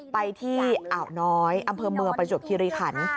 ไปที่อ่าวน้อยอำเภอเมืองประจวบคิริขัน